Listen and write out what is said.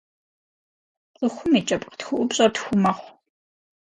Цӏыхум и кӏэпкъ тхыӏупщэр тху мэхъу.